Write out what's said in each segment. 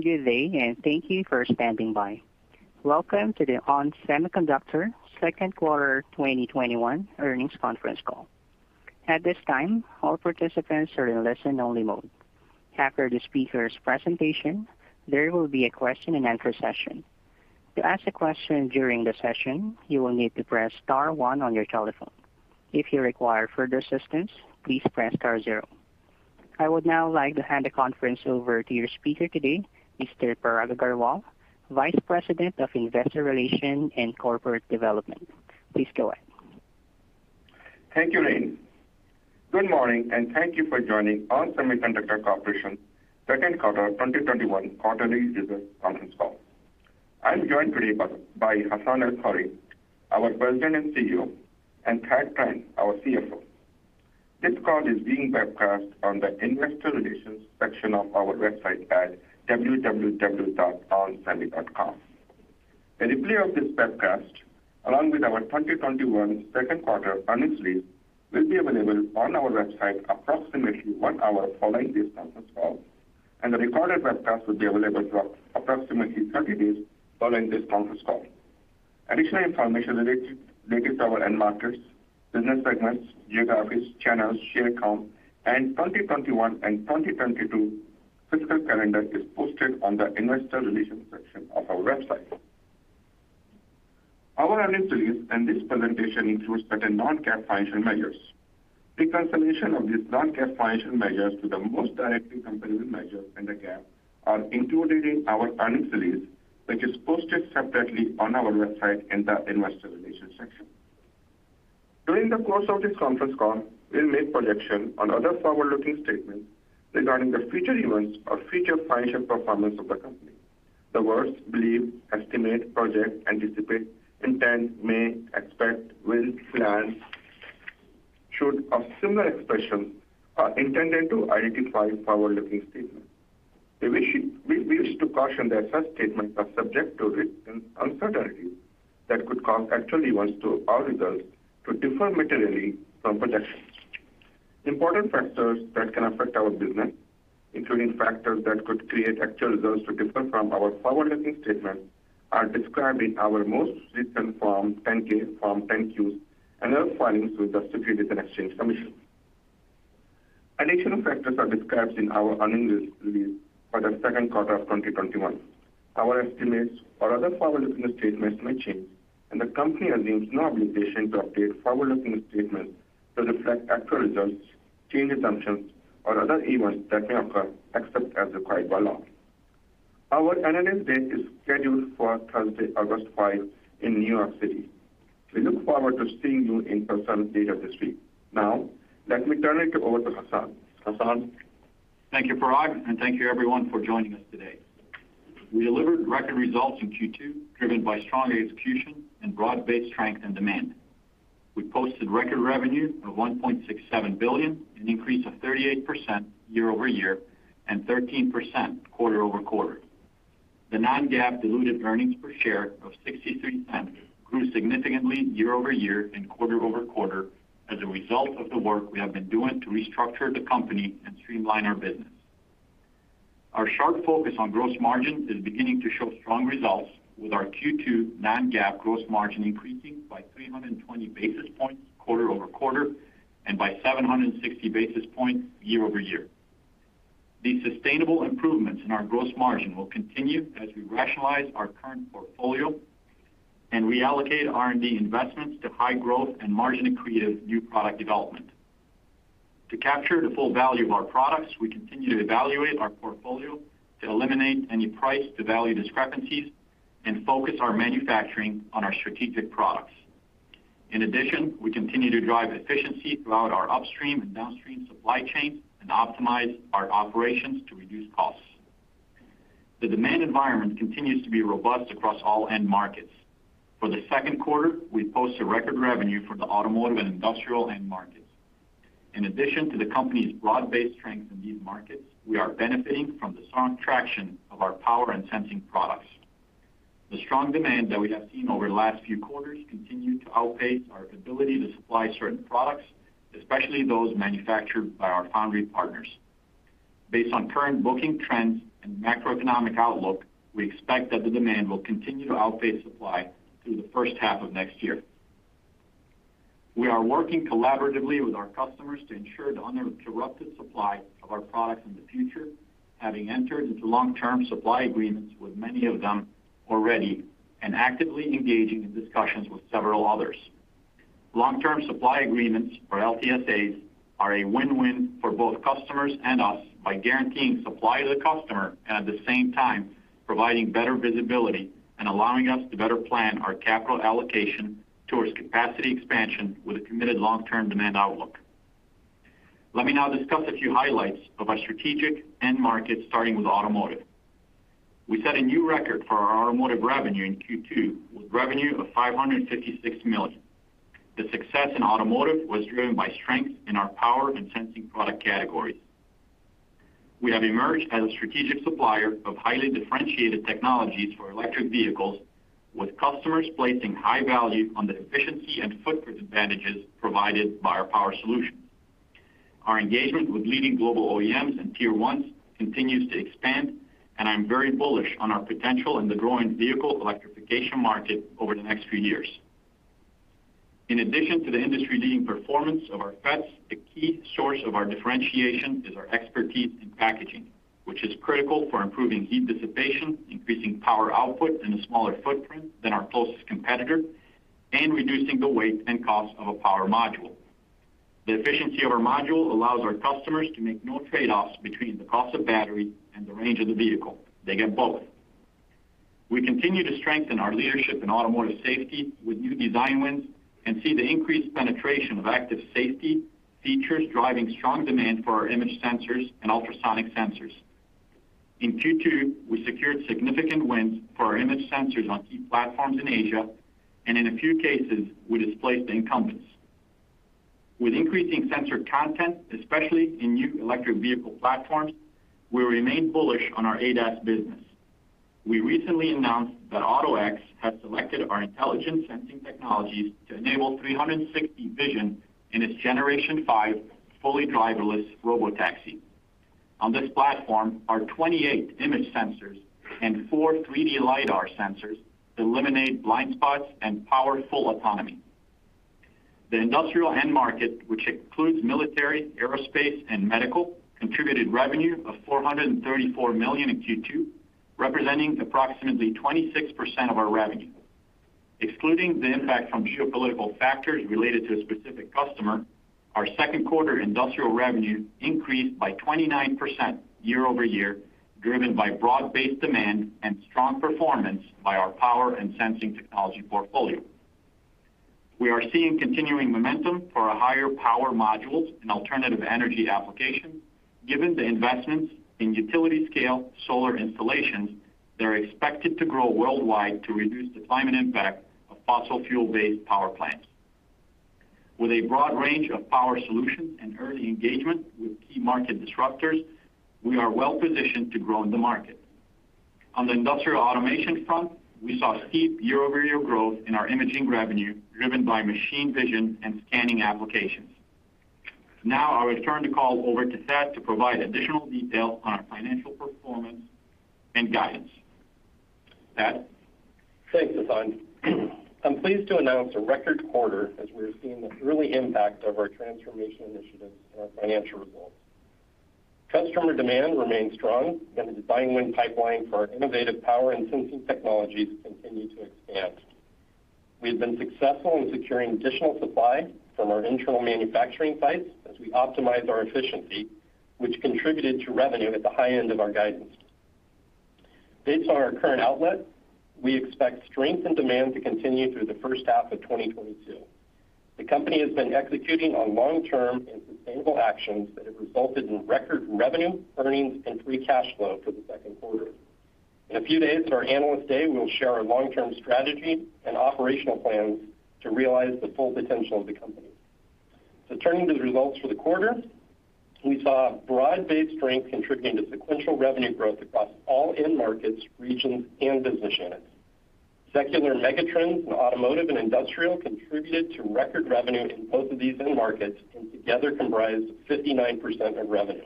Good day, and thank you for standing by. Welcome to the ON Semiconductor Second Quarter 2021 Earnings Conference Call. At this time, all participants are in listen only mode. After the speaker's presentation, there will be a question and answer session. To ask a question during the session, you will need to press star one on your telephone. If you require further assistance, please press star zero. I would now like to hand the conference over to your speaker today, Mr. Parag Agarwal, Vice President of Investor Relations and Corporate Development. Please go ahead. Thank you, Elaine. Good morning, and thank you for joining ON Semiconductor Corporation second quarter 2021 quarterly business conference call. I'm joined today by Hassane El-Khoury, our President and CEO, and Thad Trent, our CFO. This call is being webcast on the Investor Relations section of our website at www.onsemi.com. A replay of this webcast, along with our 2021 second quarter earnings release, will be available on our website approximately one hour following this conference call, and the recorded webcast will be available for approximately 30 days following this conference call. Additional information related to our end markets, business segments, geographies, channels, share count, and 2021 and 2022 fiscal calendar is posted on the Investor Relations section of our website. Our earnings release and this presentation includes certain non-GAAP financial measures. Reconciliation of these non-GAAP financial measures to the most directly comparable measures under GAAP are included in our earnings release, which is posted separately on our website in the Investor Relations section. During the course of this conference call, we'll make projections on other forward-looking statements regarding the future events or future financial performance of the company. The words believe, estimate, project, anticipate, intend, may, expect, will, plan, should, or similar expressions are intended to identify forward-looking statements. We wish to caution that such statements are subject to risks and uncertainties that could cause actual events to our results to differ materially from projections. Important factors that can affect our business, including factors that could create actual results to differ from our forward-looking statements, are described in our most recent Form 10-K, Form 10-Q, and other filings with the Securities and Exchange Commission. Additional factors are described in our earnings release for the second quarter of 2021. Our estimates or other forward-looking statements may change, and the company assumes no obligation to update forward-looking statements to reflect actual results, changed assumptions, or other events that may occur, except as required by law. Our Analyst Day is scheduled for Thursday, August 5 in New York City. We look forward to seeing you in person later this week. Let me turn it over to Hassane. Hassane? Thank you, Parag, and thank you everyone for joining us today. We delivered record results in Q2, driven by strong execution and broad-based strength and demand. We posted record revenue of $1.67 billion, an increase of 38% year-over-year and 13% quarter-over-quarter. The non-GAAP diluted earnings per share of $0.63 grew significantly year-over-year and quarter-over-quarter as a result of the work we have been doing to restructure the company and streamline our business. Our sharp focus on gross margin is beginning to show strong results with our Q2 non-GAAP gross margin increasing by 320 basis points quarter-over-quarter and by 760 basis points year-over-year. These sustainable improvements in our gross margin will continue as we rationalize our current portfolio and reallocate R&D investments to high growth and margin-accretive new product development. To capture the full value of our products, we continue to evaluate our portfolio to eliminate any price to value discrepancies and focus our manufacturing on our strategic products. In addition, we continue to drive efficiency throughout our upstream and downstream supply chain and optimize our operations to reduce costs. The demand environment continues to be robust across all end markets. For the second quarter, we posted record revenue for the automotive and industrial end markets. In addition to the company's broad-based strength in these markets, we are benefiting from the strong traction of our power and sensing products. The strong demand that we have seen over the last few quarters continued to outpace our ability to supply certain products, especially those manufactured by our foundry partners. Based on current booking trends and macroeconomic outlook, we expect that the demand will continue to outpace supply through the first half of next year. We are working collaboratively with our customers to ensure the uninterrupted supply of our products in the future, having entered into long-term supply agreements with many of them already and actively engaging in discussions with several others. Long-Term Supply Agreements, or LTSAs, are a win-win for both customers and us by guaranteeing supply to the customer and at the same time providing better visibility and allowing us to better plan our capital allocation towards capacity expansion with a committed long-term demand outlook. Let me now discuss a few highlights of our strategic end markets, starting with automotive. We set a new record for our automotive revenue in Q2 with revenue of $556 million. The success in automotive was driven by strength in our power and sensing product categories. We have emerged as a strategic supplier of highly differentiated technologies for electric vehicles, with customers placing high value on the efficiency and footprint advantages provided by our power solutions. Our engagement with leading global OEMs and Tier 1s continues to expand, and I'm very bullish on our potential in the growing vehicle electrification market over the next few years. In addition to the industry-leading performance of our fabs, the key source of our differentiation is our expertise in packaging, which is critical for improving heat dissipation, increasing power output in a smaller footprint than our closest competitor, and reducing the weight and cost of a power module. The efficiency of our module allows our customers to make no trade-offs between the cost of battery and the range of the vehicle. They get both. We continue to strengthen our leadership in automotive safety with new design wins and see the increased penetration of active safety features driving strong demand for our image sensors and ultrasonic sensors. In Q2, we secured significant wins for our image sensors on key platforms in Asia, and in a few cases, we displaced the incumbents. With increasing sensor content, especially in new electric vehicle platforms, we remain bullish on our ADAS business. We recently announced that AutoX has selected our intelligent sensing technologies to enable 360 vision in its Generation 5 Fully Driverless Robotaxi. On this platform are 28 image sensors and four 3D Lidar sensors to eliminate blind spots and power full autonomy. The industrial end market, which includes military, aerospace, and medical, contributed revenue of $434 million in Q2, representing approximately 26% of our revenue. Excluding the impact from geopolitical factors related to a specific customer, our Q2 industrial revenue increased by 29% year-over-year, driven by broad-based demand and strong performance by our power and sensing technology portfolio. We are seeing continuing momentum for our higher power modules and alternative energy applications, given the investments in utility scale solar installations that are expected to grow worldwide to reduce the climate impact of fossil fuel-based power plants. With a broad range of power solutions and early engagement with key market disruptors, we are well positioned to grow in the market. On the industrial automation front, we saw steep year-over-year growth in our imaging revenue, driven by machine vision and scanning applications. Now, I will turn the call over to Thad to provide additional detail on our financial performance and guidance. Thad? Thanks, Hassane. I'm pleased to announce a record quarter as we're seeing the early impact of our transformation initiatives in our financial results. Customer demand remains strong, and the design win pipeline for our innovative power and sensing technologies continue to expand. We have been successful in securing additional supply from our internal manufacturing sites as we optimize our efficiency, which contributed to revenue at the high end of our guidance. Based on our current outlook, we expect strength in demand to continue through the first half of 2022. The company has been executing on long-term and sustainable actions that have resulted in record revenue, earnings, and free cash flow for the second quarter. In a few days, at our Analyst Day, we will share our long-term strategy and operational plans to realize the full potential of the company. Turning to the results for the quarter, we saw broad-based strength contributing to sequential revenue growth across all end markets, regions, and business units. Secular megatrends in automotive and industrial contributed to record revenue in both of these end markets and together comprised 59% of revenue.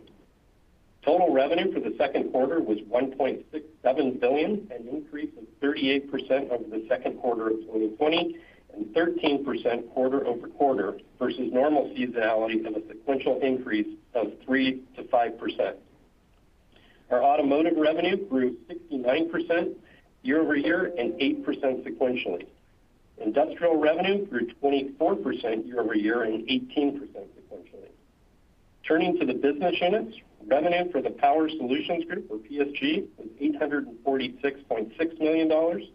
Total revenue for the second quarter was $1.67 billion, an increase of 38% over the second quarter of 2020 and 13% quarter-over-quarter versus normal seasonality and a sequential increase of 3%-5%. Our automotive revenue grew 69% year-over-year and 8% sequentially. Industrial revenue grew 24% year-over-year and 18% sequentially. Turning to the business units, revenue for the Power Solutions Group, or PSG, was $846.6 million.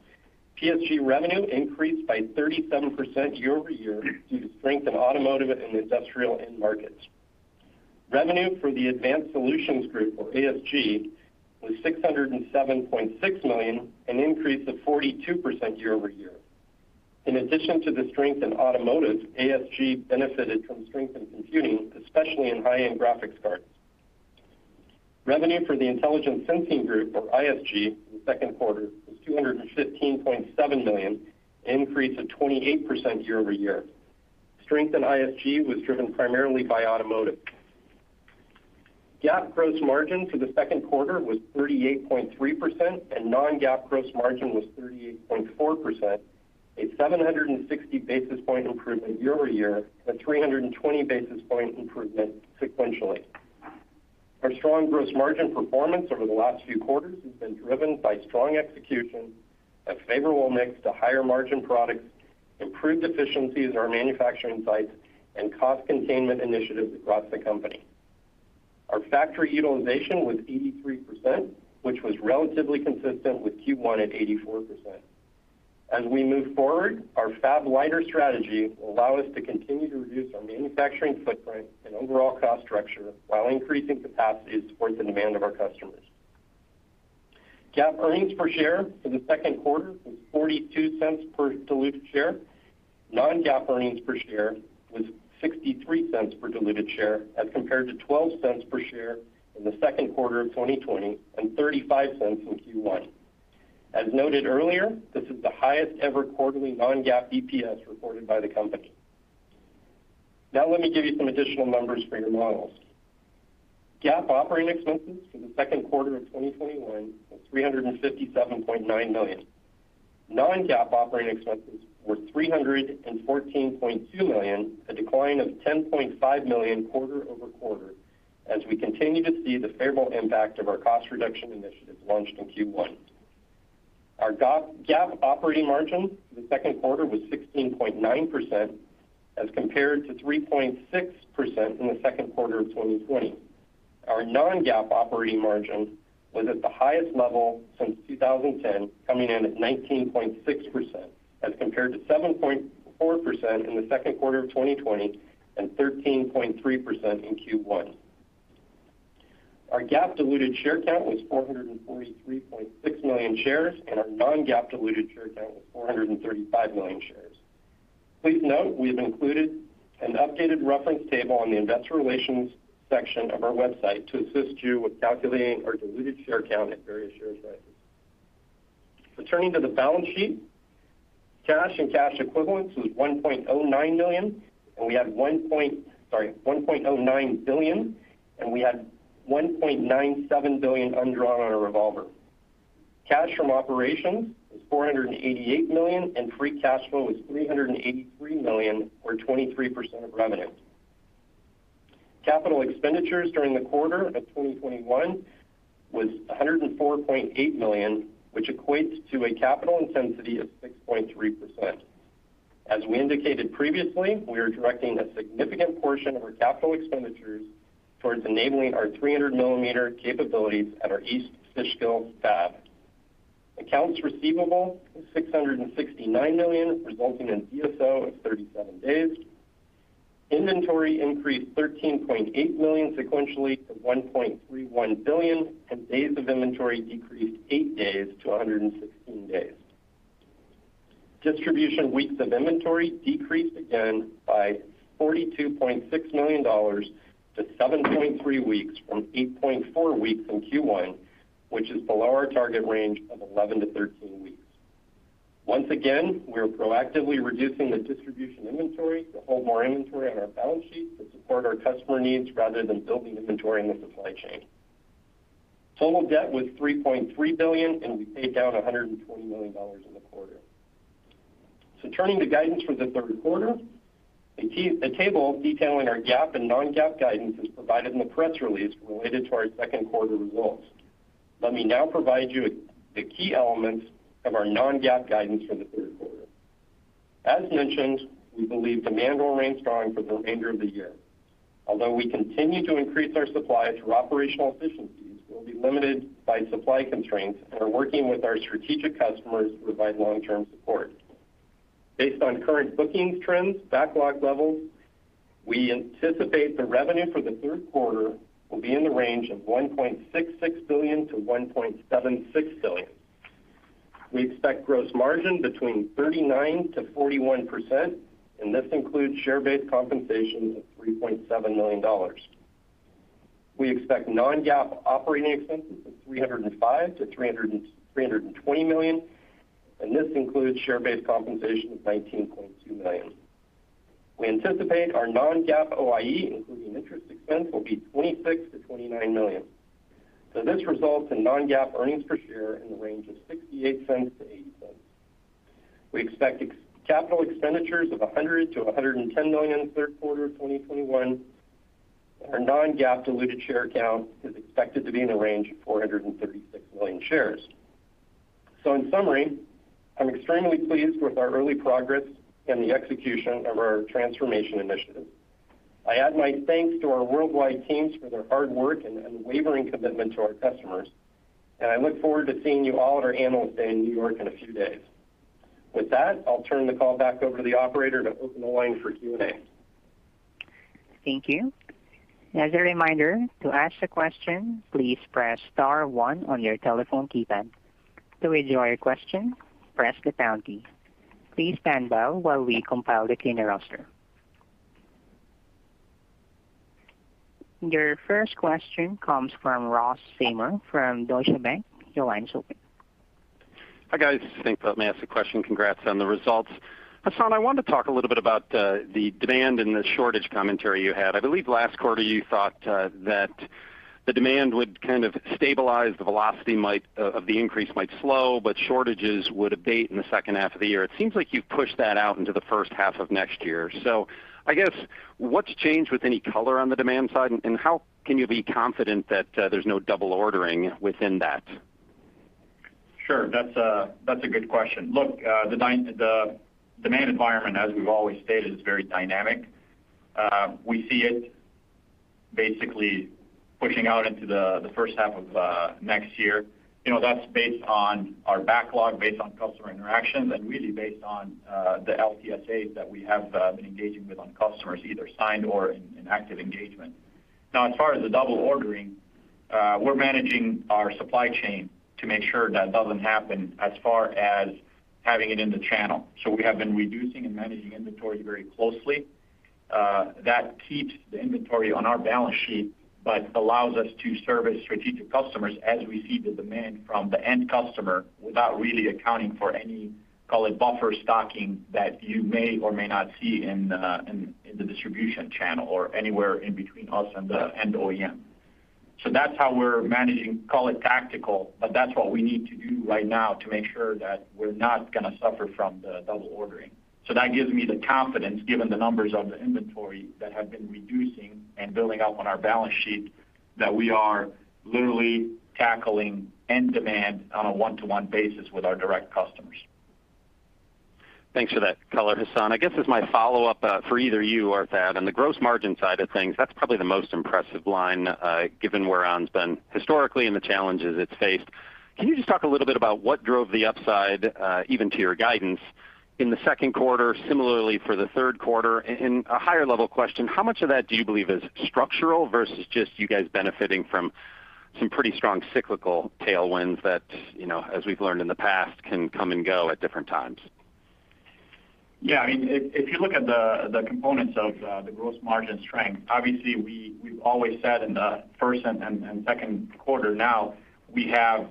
PSG revenue increased by 37% year-over-year due to strength in automotive and industrial end markets. Revenue for the Advanced Solutions Group, or ASG, was $607.6 million, an increase of 42% year-over-year. In addition to the strength in automotive, ASG benefited from strength in computing, especially in high-end graphics cards. Revenue for the Intelligent Sensing Group, or ISG, in the second quarter was $215.7 million, an increase of 28% year-over-year. Strength in ISG was driven primarily by automotive. GAAP gross margin for the second quarter was 38.3%, and non-GAAP gross margin was 38.4%, a 760 basis point improvement year-over-year, a 320 basis point improvement sequentially. Our strong gross margin performance over the last few quarters has been driven by strong execution, a favorable mix to higher margin products, improved efficiencies at our manufacturing sites, and cost containment initiatives across the company. Our factory utilization was 83%, which was relatively consistent with Q1 at 84%. As we move forward, our fab-liter strategy will allow us to continue to reduce our manufacturing footprint and overall cost structure while increasing capacity to support the demand of our customers. GAAP earnings per share for the second quarter was $0.42 per diluted share. Non-GAAP earnings per share was $0.63 per diluted share as compared to $0.12 per share in the second quarter of 2020 and $0.35 in Q1. As noted earlier, this is the highest ever quarterly non-GAAP EPS reported by the company. Now let me give you some additional numbers for your models. GAAP operating expenses for the second quarter of 2021 was $357.9 million. Non-GAAP operating expenses were $314.2 million, a decline of $10.5 million quarter-over-quarter as we continue to see the favorable impact of our cost reduction initiatives launched in Q1. Our GAAP operating margin for the second quarter was 16.9% as compared to 3.6% in the second quarter of 2020. Our non-GAAP operating margin was at the highest level since 2010, coming in at 19.6%, as compared to 7.4% in the second quarter of 2020 and 13.3% in Q1. Our GAAP diluted share count was 443.6 million shares, and our non-GAAP diluted share count was 435 million shares. Please note we have included an updated reference table on the investor relations section of our website to assist you with calculating our diluted share count at various share prices. Turning to the balance sheet, cash and cash equivalents was $1.09 billion, and we had $1.97 billion undrawn on our revolver. Cash from operations was $488 million, and free cash flow was $383 million or 23% of revenue. Capital expenditures during the quarter of 2021 was $104.8 million, which equates to a capital intensity of 6.3%. As we indicated previously, we are directing a significant portion of our capital expenditures towards enabling our 300 millimeter capabilities at our East Fishkill fab. Accounts receivable was $669 million, resulting in DSO of 37 days. Inventory increased $13.8 million sequentially to $1.31 billion, and days of inventory decreased eight days to 116 days. Distribution weeks of inventory decreased again by $42.6 million to 7.3 weeks from 8.4 weeks in Q1, which is below our target range of 11-13 weeks. Once again, we are proactively reducing the distribution inventory to hold more inventory on our balance sheet to support our customer needs rather than building inventory in the supply chain. Total debt was $3.3 billion, and we paid down $120 million in the quarter. Turning to guidance for the third quarter, a table detailing our GAAP and non-GAAP guidance is provided in the press release related to our second quarter results. Let me now provide you the key elements of our non-GAAP guidance for the third quarter. As mentioned, we believe demand will remain strong for the remainder of the year. Although we continue to increase our supply through operational efficiencies, we'll be limited by supply constraints and are working with our strategic customers to provide long-term support. Based on current bookings trends, backlog levels, we anticipate the revenue for the third quarter will be in the range of $1.66 billion-$1.76 billion. We expect gross margin between 39%-41%, and this includes share-based compensation of $3.7 million. We expect non-GAAP operating expenses of $305 million-$320 million, and this includes share-based compensation of $19.2 million. We anticipate our non-GAAP OIE, including interest expense, will be $26 million-$29 million. This results in non-GAAP earnings per share in the range of $0.68-$0.80. We expect capital expenditures of $100 million-$110 million third quarter of 2021, and our non-GAAP diluted share count is expected to be in the range of 436 million shares. In summary, I am extremely pleased with our early progress and the execution of our transformation initiative. I add my thanks to our worldwide teams for their hard work and unwavering commitment to our customers, and I look forward to seeing you all at our Analyst Day in New York in a few days. With that, I will turn the call back over to the operator to open the line for Q&A. Thank you. As a reminder to ask a question please press star one on your telephone keypad to withdraw your question press the pound key. Please standby while we compile the Q&A roster. Your first question comes from Ross Seymore from Deutsche Bank. Hi, guys. Thanks. Let me ask the question. Congrats on the results. Hassane, I wanted to talk a little bit about the demand and the shortage commentary you had. I believe last quarter you thought that the demand would kind of stabilize, the velocity of the increase might slow, but shortages would abate in the second half of the year. It seems like you've pushed that out into the first half of next year. I guess, what's changed with any color on the demand side, and how can you be confident that there's no double ordering within that? Sure. That's a good question. Look, the demand environment, as we've always stated, is very dynamic. We see it basically pushing out into the first half of next year. That's based on our backlog, based on customer interactions, and really based on the LTSAs that we have been engaging with on customers, either signed or in active engagement. Now, as far as the double ordering, we're managing our supply chain to make sure that doesn't happen as far as having it in the channel. We have been reducing and managing inventory very closely. That keeps the inventory on our balance sheet, but allows us to service strategic customers as we see the demand from the end customer without really accounting for any, call it buffer stocking, that you may or may not see in the distribution channel or anywhere in between us and the end OEM. That's how we're managing, call it tactical, but that's what we need to do right now to make sure that we're not going to suffer from the double ordering. That gives me the confidence, given the numbers of the inventory that have been reducing and building up on our balance sheet, that we are literally tackling end demand on a 1:1 basis with our direct customers. Thanks for that color, Hassane. I guess as my follow-up, for either you or Thad, on the gross margin side of things, that's probably the most impressive line, given where onsemi's been historically and the challenges it's faced. Can you just talk a little bit about what drove the upside, even to your guidance in the second quarter, similarly for the third quarter? And a higher level question, how much of that do you believe is structural versus just you guys benefiting from some pretty strong cyclical tailwinds that, as we've learned in the past, can come and go at different times? Yeah. If you look at the components of the gross margin strength, obviously we've always said in the first and second quarter now we have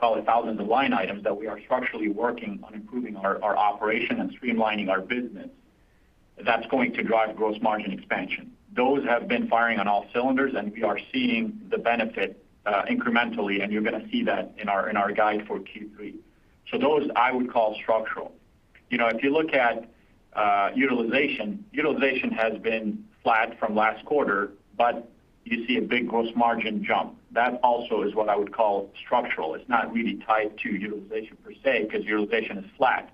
call it thousands of line items that we are structurally working on improving our operation and streamlining our business. That's going to drive gross margin expansion. Those have been firing on all cylinders, and we are seeing the benefit incrementally, and you're going to see that in our guide for Q3. Those, I would call structural. If you look at utilization has been flat from last quarter, but you see a big gross margin jump. That also is what I would call structural. It's not really tied to utilization per se, because utilization is flat.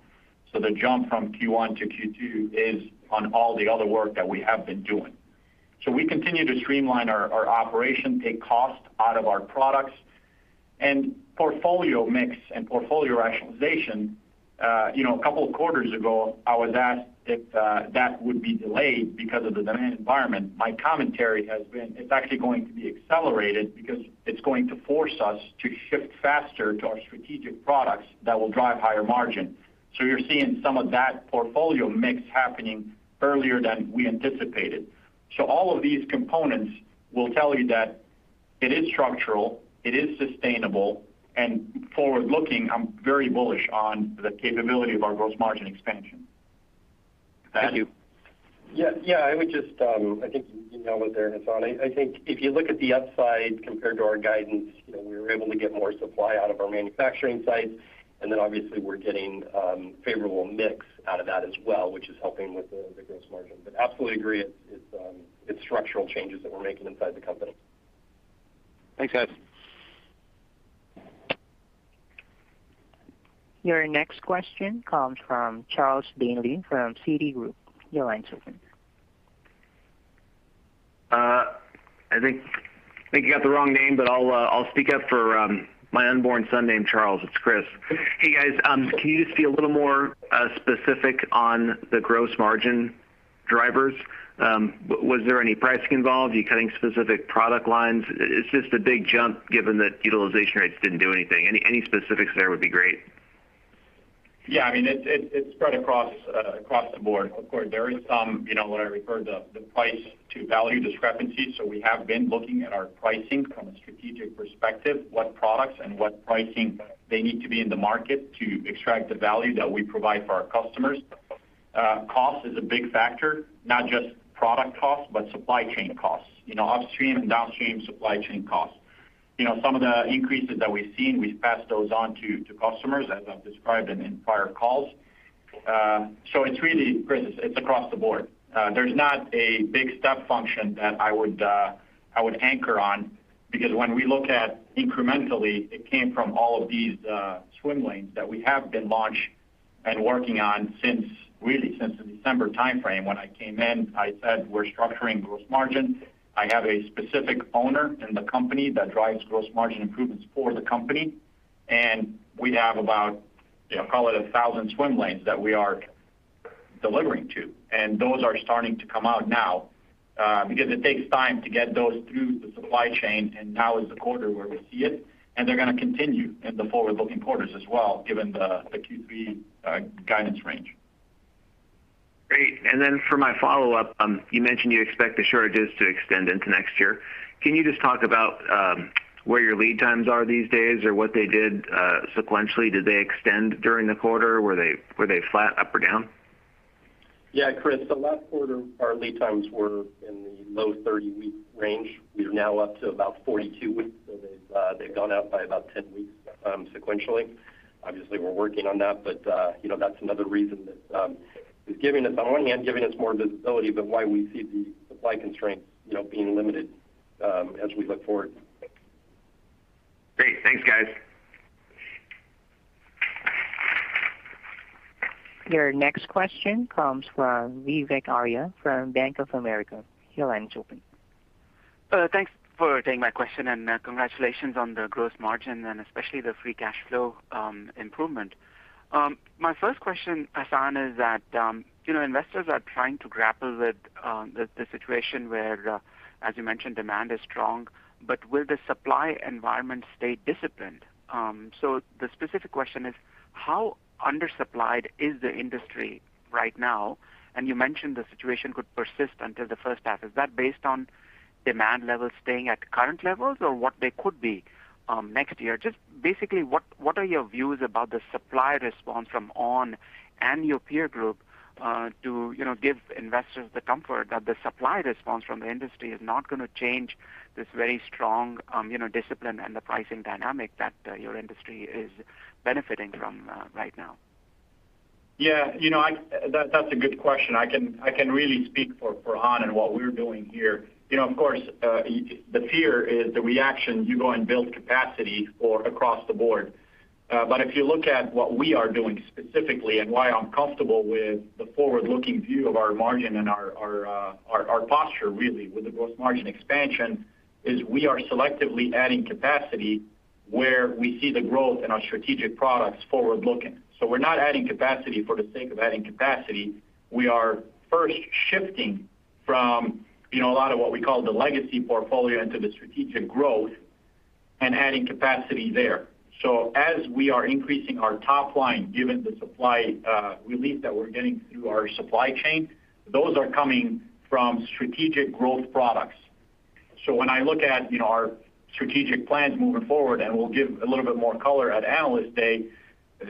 The jump from Q1 to Q2 is on all the other work that we have been doing. We continue to streamline our operation, take cost out of our products. Portfolio mix and portfolio rationalization, a couple of quarters ago, I was asked if that would be delayed because of the demand environment. My commentary has been, it's actually going to be accelerated because it's going to force us to shift faster to our strategic products that will drive higher margin. You're seeing some of that portfolio mix happening earlier than we anticipated. All of these components will tell you that it is structural, it is sustainable, and forward-looking, I'm very bullish on the capability of our gross margin expansion. Thank you. Yeah. I think you nailed it there, Hassane. I think if you look at the upside compared to our guidance, we were able to get more supply out of our manufacturing sites. Obviously, we're getting favorable mix out of that as well, which is helping with the gross margin. Absolutely agree, it's structural changes that we're making inside the company. Thanks, guys. Your next question comes from Chris Danely from Citigroup. Your line's open. I think you got the wrong name, but I'll speak up for my unborn son named Charles. It's Chris. Hey, guys. Can you just be a little more specific on the gross margin drivers? Was there any pricing involved? Are you cutting specific product lines? It's just a big jump given that utilization rates didn't do anything. Any specifics there would be great. Yeah. It spread across the board. Of course, there is some, what I referred to, the price to value discrepancies. We have been looking at our pricing from a strategic perspective, what products and what pricing they need to be in the market to extract the value that we provide for our customers. Cost is a big factor, not just product cost, but supply chain costs. Upstream and downstream supply chain costs. Some of the increases that we've seen, we've passed those on to customers, as I've described in prior calls. It's really, Chris, it's across the board. There's not a big step function that I would anchor on, because when we look at incrementally, it came from all of these swim lanes that we have been launched and working on since, really, since the December timeframe. When I came in, I said we're structuring gross margin. I have a specific owner in the company that drives gross margin improvements for the company, and we have about, call it 1,000 swim lanes that we are delivering to. Those are starting to come out now, because it takes time to get those through the supply chain, and now is the quarter where we see it, and they're going to continue in the forward-looking quarters as well, given the Q3 guidance range. Great. For my follow-up, you mentioned you expect the shortages to extend into next year. Can you just talk about where your lead times are these days, or what they did sequentially? Did they extend during the quarter? Were they flat, up or down? Yeah, Chris. Last quarter, our lead times were in the low 30-week range. We are now up to about 42 weeks. They've gone out by about 10 weeks sequentially. Obviously, we're working on that, but that's another reason that is giving us, on one hand, giving us more visibility about why we see the supply constraints being limited as we look forward. Great. Thanks, guys. Your next question comes from Vivek Arya from Bank of America. Your line's open. Thanks for taking my question. Congratulations on the gross margin and especially the free cash flow improvement. My first question, Hassane, is that investors are trying to grapple with the situation where, as you mentioned, demand is strong, but will the supply environment stay disciplined? The specific question is, how undersupplied is the industry right now? You mentioned the situation could persist until the first half. Is that based on demand levels staying at current levels or what they could be? Next year, just basically, what are your views about the supply response from onsemi and your peer group to give investors the comfort that the supply response from the industry is not going to change this very strong discipline and the pricing dynamic that your industry is benefiting from right now? Yeah. That's a good question. I can really speak for ON and what we're doing here. Of course, the fear is the reaction, you go and build capacity across the board. If you look at what we are doing specifically and why I'm comfortable with the forward-looking view of our margin and our posture really with the gross margin expansion, is we are selectively adding capacity where we see the growth in our strategic products forward-looking. We're not adding capacity for the sake of adding capacity. We are first shifting from a lot of what we call the legacy portfolio into the strategic growth and adding capacity there. As we are increasing our top line, given the supply relief that we're getting through our supply chain, those are coming from strategic growth products. When I look at our strategic plans moving forward, and we'll give a little bit more color at Analyst Day,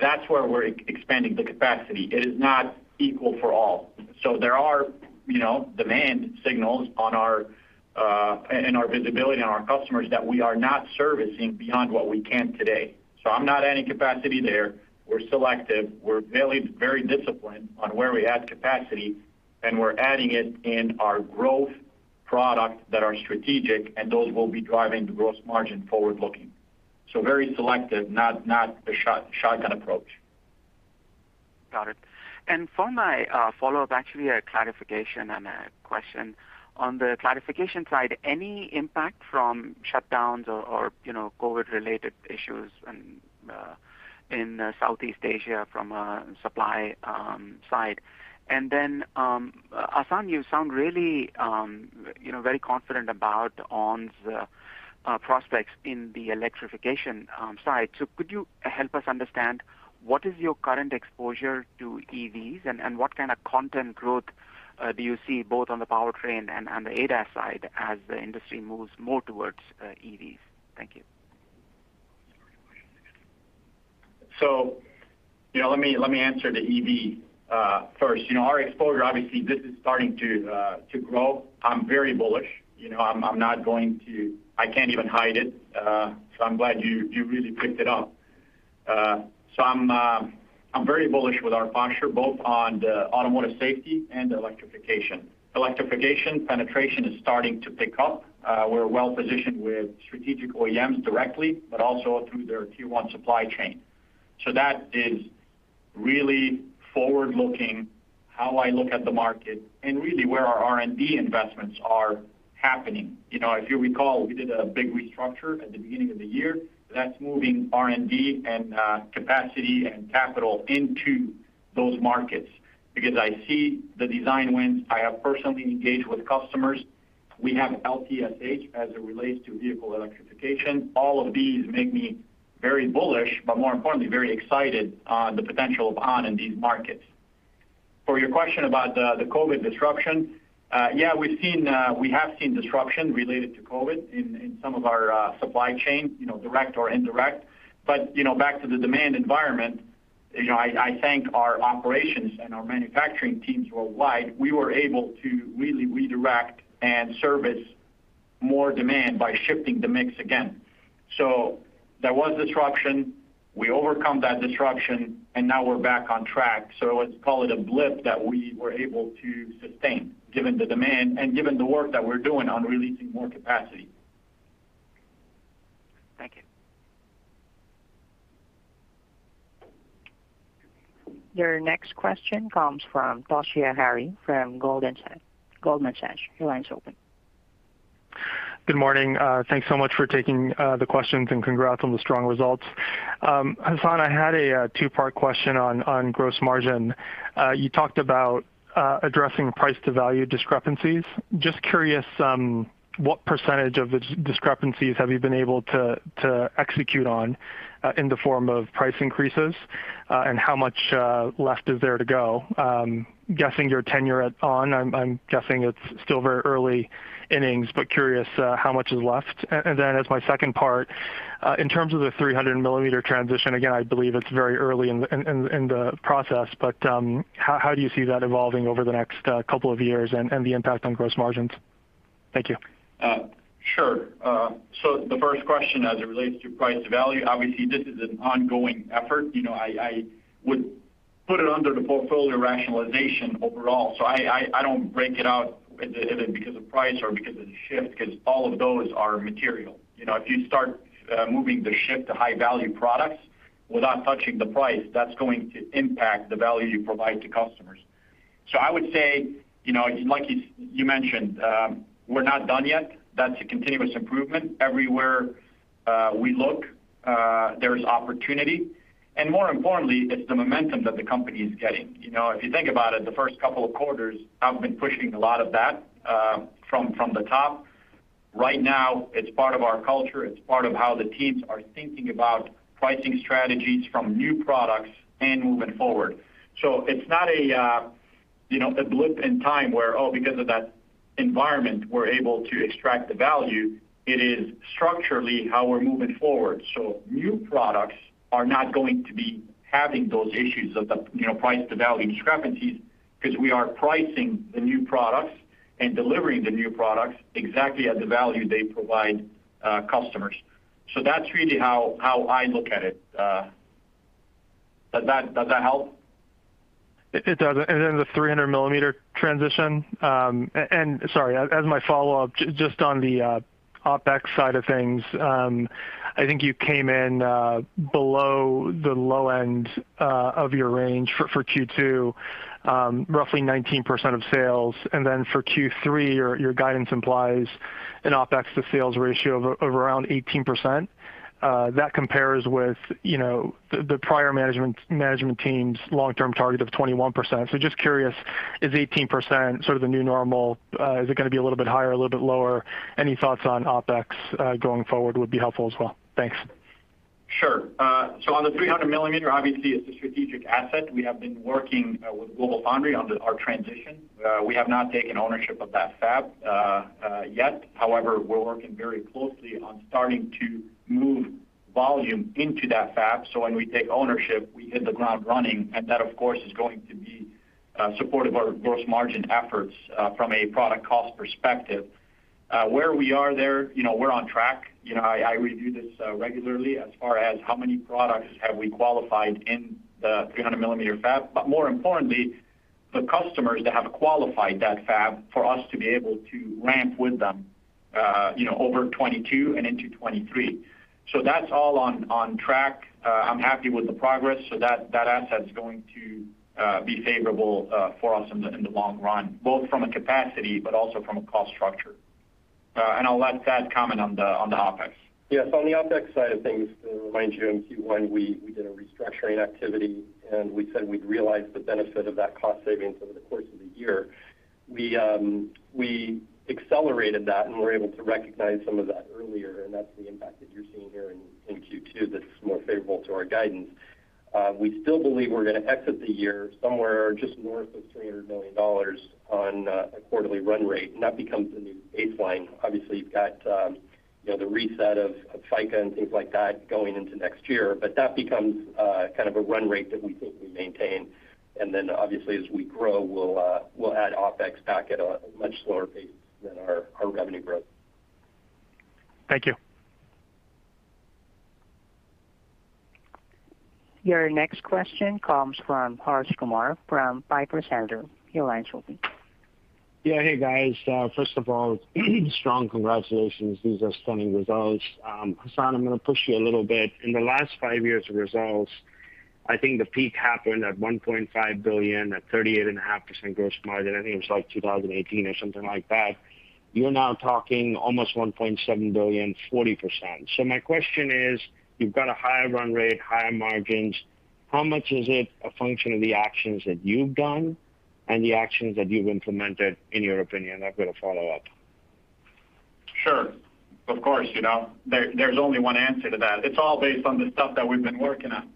that's where we're expanding the capacity. It is not equal for all. There are demand signals in our visibility on our customers that we are not servicing beyond what we can today. I'm not adding capacity there. We're selective, we're very disciplined on where we add capacity, and we're adding it in our growth products that are strategic, and those will be driving the gross margin forward-looking. Very selective, not the shotgun approach. Got it. For my follow-up, actually a clarification and a question. On the clarification side, any impact from shutdowns or COVID-related issues in Southeast Asia from a supply side? Then, Hassane, you sound really very confident about ON's prospects in the electrification side. Could you help us understand what is your current exposure to EVs and what kind of content growth do you see both on the powertrain and on the ADAS side as the industry moves more towards EVs? Thank you. Let me answer the EV first. Our exposure, obviously, this is starting to grow. I'm very bullish. I can't even hide it, so I'm glad you really picked it up. I'm very bullish with our posture both on the automotive safety and electrification. Electrification penetration is starting to pick up. We're well-positioned with strategic OEMs directly, but also through their Tier 1 supply chain. That is really forward-looking, how I look at the market, and really where our R&D investments are happening. If you recall, we did a big restructure at the beginning of the year. That's moving R&D and capacity and capital into those markets because I see the design wins. I have personally engaged with customers. We have LTSAs as it relates to vehicle electrification. All of these make me very bullish, but more importantly, very excited on the potential of ON in these markets. For your question about the COVID disruption, yeah, we have seen disruption related to COVID in some of our supply chain, direct or indirect. Back to the demand environment, I thank our operations and our manufacturing teams worldwide. We were able to really redirect and service more demand by shifting the mix again. There was disruption. We overcome that disruption, and now we're back on track. Let's call it a blip that we were able to sustain given the demand and given the work that we're doing on releasing more capacity. Thank you. Your next question comes from Toshiya Hari from Goldman Sachs. Your line's open. Good morning. Thanks so much for taking the questions and congrats on the strong results. Hassane, I had a two-part question on gross margin. You talked about addressing price to value discrepancies. Just curious, what percentage of the discrepancies have you been able to execute on in the form of price increases? How much left is there to go? Guessing your tenure at ON, I'm guessing it's still very early innings, but curious how much is left. Then as my second part, in terms of the 300 millimeter transition, again, I believe it's very early in the process, but how do you see that evolving over the next couple of years and the impact on gross margins? Thank you. Sure. The first question as it relates to price to value, obviously this is an ongoing effort. I would put it under the portfolio rationalization overall. I don't break it out if it because of price or because of the shift, because all of those are material. If you start moving the shift to high-value products without touching the price, that's going to impact the value you provide to customers. I would say, like you mentioned, we're not done yet. That's a continuous improvement. Everywhere we look, there's opportunity. More importantly, it's the momentum that the company is getting. If you think about it, the first couple of quarters, I've been pushing a lot of that from the top. Right now, it's part of our culture. It's part of how the teams are thinking about pricing strategies from new products and moving forward. It's not a blip in time where, oh, because of that environment, we're able to extract the value. It is structurally how we're moving forward. New products are not going to be having those issues of the price to value discrepancies because we are pricing the new products and delivering the new products exactly at the value they provide customers. That's really how I look at it. Does that help? It does. The 300 millimeter transition, and sorry, as my follow-up, just on the OpEx side of things, I think you came in below the low end of your range for Q2, roughly 19% of sales. For Q3, your guidance implies an OpEx to sales ratio of around 18%. That compares with the prior management team's long-term target of 21%. Just curious, is 18% sort of the new normal? Is it going to be a little bit higher, a little bit lower? Any thoughts on OpEx going forward would be helpful as well. Thanks. Sure. On the 300 millimeter, obviously it's a strategic asset. We have been working with GlobalFoundries on our transition. We have not taken ownership of that fab yet. However, we're working very closely on starting to move volume into that fab, so when we take ownership, we hit the ground running. That, of course, is going to be supportive of our gross margin efforts from a product cost perspective. Where we are there, we're on track. I review this regularly as far as how many products have we qualified in the 300 millimeter fab, more importantly, the customers that have qualified that fab for us to be able to ramp with them over 2022 and into 2023. That's all on track. I'm happy with the progress. That asset's going to be favorable for us in the long run, both from a capacity, but also from a cost structure. I'll let Thad comment on the OpEx. Yes. On the OpEx side of things, to remind you, in Q1, we did a restructuring activity. We said we'd realize the benefit of that cost savings over the course of the year. We accelerated that and were able to recognize some of that earlier. That's the impact that you're seeing here in Q2 that's more favorable to our guidance. We still believe we're going to exit the year somewhere just north of $300 million on a quarterly run rate. That becomes the new baseline. Obviously, you've got the reset of FICA and things like that going into next year. That becomes kind of a run rate that we think we maintain. Obviously, as we grow, we'll add OpEx back at a much slower pace than our revenue growth. Thank you. Your next question comes from Harsh Kumar from Piper Sandler. Your line's open. Hey, guys. First of all, strong congratulations. These are stunning results. Hassane, I'm going to push you a little bit. In the last five years of results, I think the peak happened at $1.5 billion at 38.5% gross margin. I think it was 2018 or something like that. You're now talking almost $1.7 billion, 40%. My question is, you've got a higher run rate, higher margins. How much is it a function of the actions that you've done and the actions that you've implemented, in your opinion? I've got a follow-up. Sure. Of course. There's only one answer to that. It's all based on the stuff that we've been working on.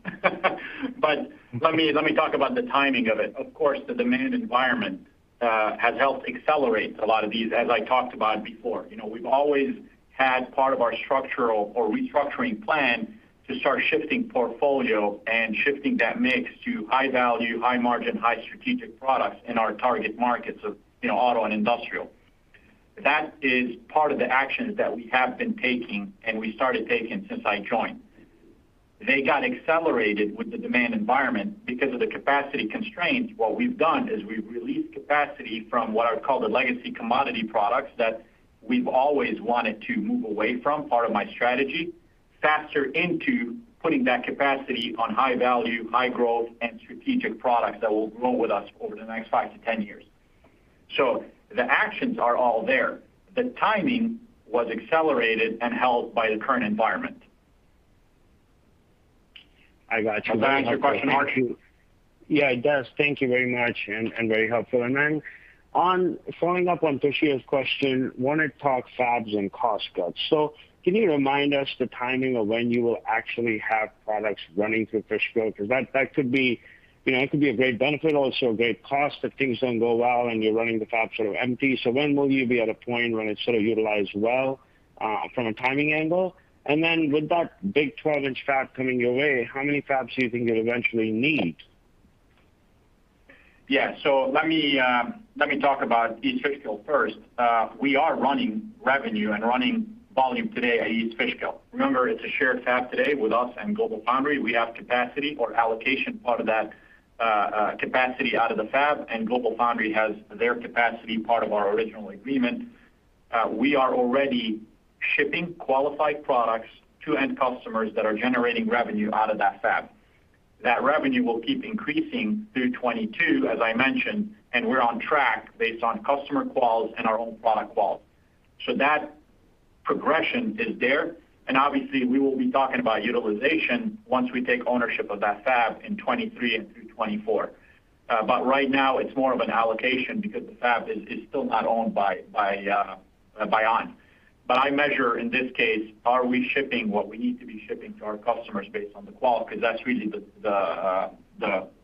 Let me talk about the timing of it. Of course, the demand environment has helped accelerate a lot of these, as I talked about before. We've always had part of our structural or restructuring plan to start shifting portfolio and shifting that mix to high value, high margin, high strategic products in our target markets of auto and industrial. That is part of the actions that we have been taking, and we started taking since I joined. They got accelerated with the demand environment. Because of the capacity constraints, what we've done is we've released capacity from what I would call the legacy commodity products that we've always wanted to move away from, part of my strategy, faster into putting that capacity on high value, high growth, and strategic products that will grow with us over the next 5-10 years. The actions are all there. The timing was accelerated and helped by the current environment. I got you. Does that answer your question, Harsh? Yeah, it does. Thank you very much, and very helpful. Following up on Toshiya's question, wanted to talk fabs and cost cuts. Can you remind us the timing of when you will actually have products running through Fishkill? Because that could be a great benefit, also a great cost if things don't go well and you're running the fab sort of empty. When will you be at a point when it's sort of utilized well from a timing angle? With that big 12-inch fab coming your way, how many fabs do you think you'll eventually need? Let me talk about East Fishkill first. We are running revenue and running volume today at East Fishkill. Remember, it's a shared fab today with us and GlobalFoundries. We have capacity or allocation, part of that capacity out of the fab, and GlobalFoundries has their capacity, part of our original agreement. We are already shipping qualified products to end customers that are generating revenue out of that fab. That revenue will keep increasing through 2022, as I mentioned, and we're on track based on customer quals and our own product quals. That progression is there. Obviously, we will be talking about utilization once we take ownership of that fab in 2023 and through 2024. Right now it's more of an allocation because the fab is still not owned by ON. I measure in this case, are we shipping what we need to be shipping to our customers based on the quality? That's really the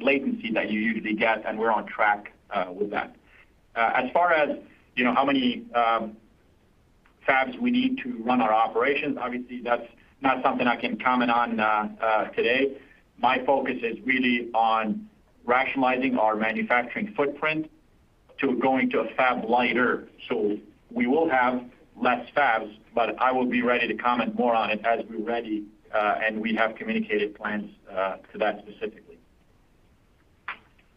latency that you usually get, and we're on track with that. As far as how many fabs we need to run our operations, obviously that's not something I can comment on today. My focus is really on rationalizing our manufacturing footprint to going to a fab lighter. We will have less fabs, but I will be ready to comment more on it as we're ready, and we have communicated plans to that specifically.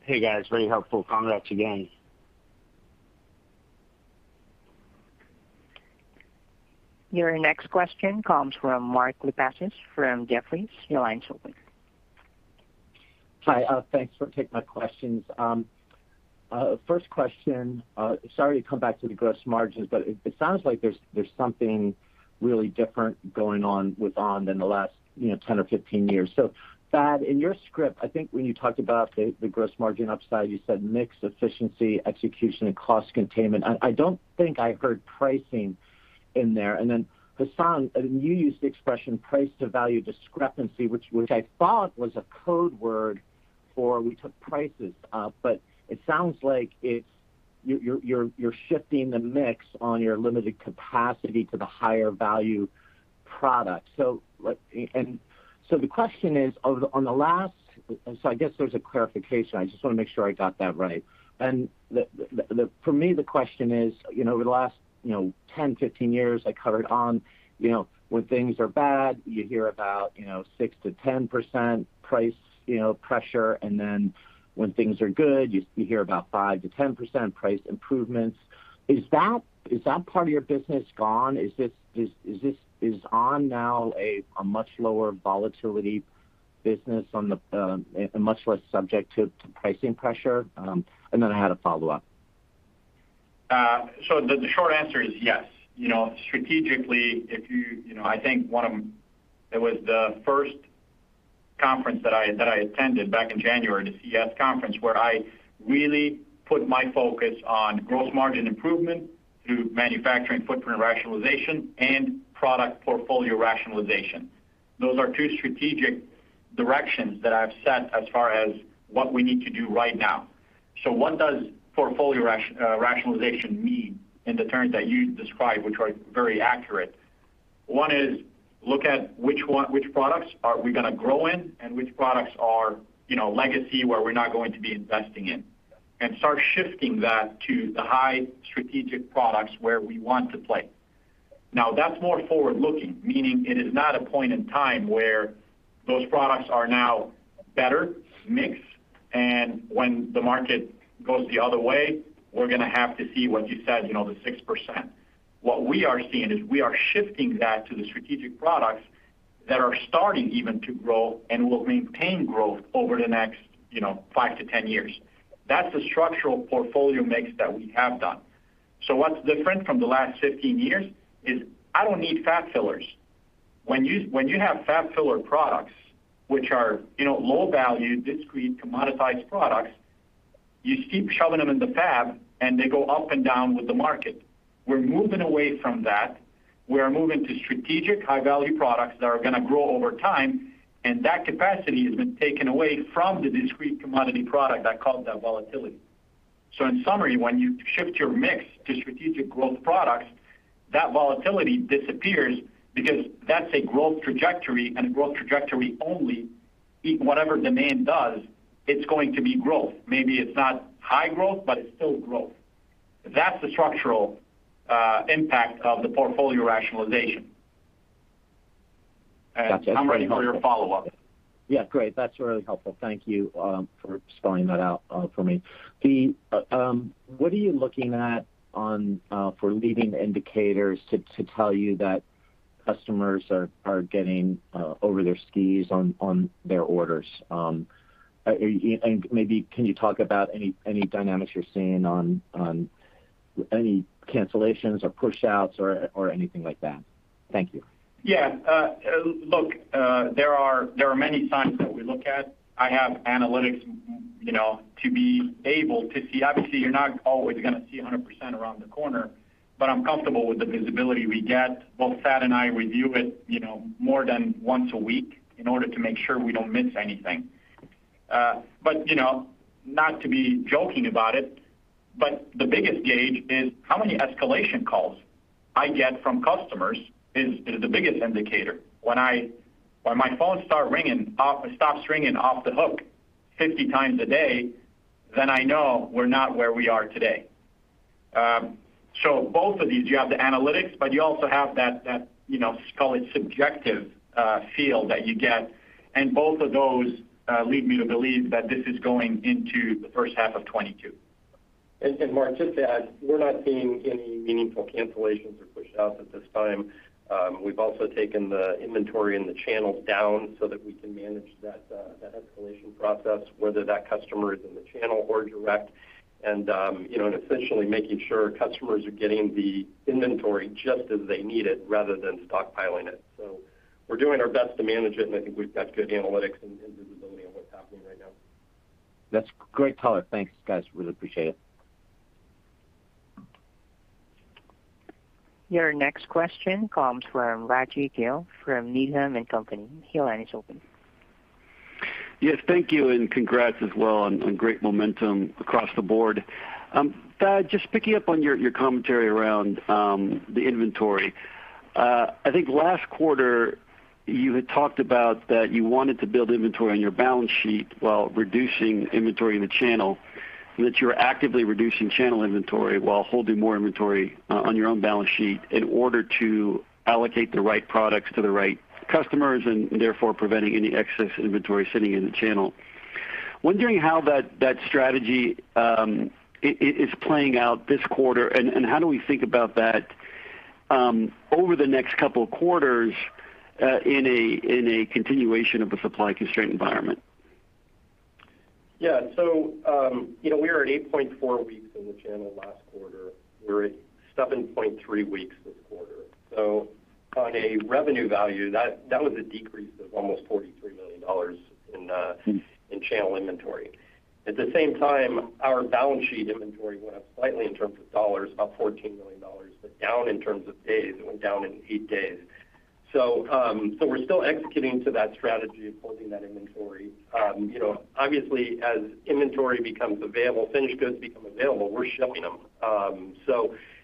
Hey, guys. Very helpful. Congrats again. Your next question comes from Mark Lipacis from Jefferies. Your line's open. Hi. Thanks for taking my questions. First question, sorry to come back to the gross margins. It sounds like there's something really different going on with ON in the last 10 or 15 years. Thad, in your script, I think when you talked about the gross margin upside, you said mix, efficiency, execution, and cost containment. I don't think I heard pricing in there. Hassane, you used the expression price to value discrepancy, which I thought was a code word for we took prices up. It sounds like you're shifting the mix on your limited capacity to the higher value product. The question is, I guess there's a clarification. I just want to make sure I got that right. For me, the question is, over the last 10, 15 years, I covered ON. When things are bad, you hear about 6%-10% price pressure, and then when things are good, you hear about 5%-10% price improvements. Is that part of your business gone? Is ON now a much lower volatility business and much less subject to pricing pressure? I had a follow-up. The short answer is yes. Strategically, I think it was the first conference that I attended back in January, the CES conference, where I really put my focus on growth margin improvement through manufacturing footprint rationalization and product portfolio rationalization. Those are two strategic directions that I've set as far as what we need to do right now. What does portfolio rationalization mean in the terms that you described, which are very accurate? 1 is look at which products are we going to grow in and which products are legacy, where we're not going to be investing in, and start shifting that to the high strategic products where we want to play. That's more forward-looking, meaning it is not a point in time where those products are now better mix, and when the market goes the other way, we're going to have to see what you said, the 6%. What we are seeing is we are shifting that to the strategic products that are starting even to grow and will maintain growth over the next 5-10 years. That's the structural portfolio mix that we have done. What's different from the last 15 years is I don't need fab fillers. When you have fab filler products, which are low value, discrete, commoditized products, you keep shoving them in the fab, and they go up and down with the market. We're moving away from that. We are moving to strategic high-value products that are going to grow over time, and that capacity has been taken away from the discrete commodity product that caused that volatility. In summary, when you shift your mix to strategic growth products, that volatility disappears because that's a growth trajectory, and a growth trajectory only, whatever demand does, it's going to be growth. Maybe it's not high growth, but it's still growth. That's the structural impact of the portfolio rationalization. Got you. I'm ready for your follow-up. Yeah, great. That's really helpful. Thank you for spelling that out for me. What are you looking at for leading indicators to tell you that customers are getting over their skis on their orders? Maybe can you talk about any dynamics you're seeing on any cancellations or pushouts or anything like that? Thank you. Yeah. Look, there are many signs that we look at. I have analytics to be able to see. Obviously, you're not always going to see 100% around the corner, but I'm comfortable with the visibility we get. Both Thad and I review it more than once a week in order to make sure we don't miss anything. Not to be joking about it, but the biggest gauge is how many escalation calls I get from customers is the biggest indicator. When my phone stops ringing off the hook 50x a day, then I know we're not where we are today. Both of these, you have the analytics, but you also have that, call it subjective feel that you get, and both of those lead me to believe that this is going into the first half of 2022. Mark, just to add, we're not seeing any meaningful cancellations or pushouts at this time. We've also taken the inventory and the channels down so that we can manage that escalation process, whether that customer is in the channel or direct, and essentially making sure customers are getting the inventory just as they need it rather than stockpiling it. We're doing our best to manage it, and I think we've got good analytics and visibility on what's happening right now. That's great color. Thanks, guys. Really appreciate it. Your next question comes from Raji Gill from Needham & Company. Your line is open. Yes, thank you, and congrats as well on great momentum across the board. Thad, just picking up on your commentary around the inventory. I think last quarter you had talked about that you wanted to build inventory on your balance sheet while reducing inventory in the channel, and that you are actively reducing channel inventory while holding more inventory on your own balance sheet in order to allocate the right products to the right customers, and therefore preventing any excess inventory sitting in the channel. Wondering how that strategy is playing out this quarter, and how do we think about that over the next couple of quarters, in a continuation of a supply-constrained environment? We were at 8.4 weeks in the channel last quarter. We're at 7.3 weeks this quarter. On a revenue value, that was a decrease of almost $43 million in channel inventory. At the same time, our balance sheet inventory went up slightly in terms of dollars, about $14 million, but down in terms of days. It went down in eight days. We're still executing to that strategy of holding that inventory. Obviously, as inventory becomes available, finished goods become available, we're shipping them.